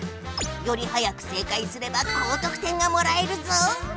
より早く正解すれば高とく点がもらえるぞ！